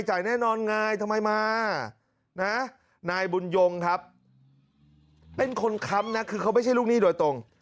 แน่นอนไงทำไมมานะนายบุญยงครับเป็นคนค้ำนะคือเขาไม่ใช่ลูกหนี้โดยตรง